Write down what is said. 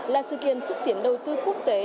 là sự kiện xúc tiến đầu tư quốc tế